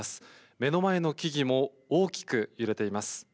目の前の木々も大きく揺れています。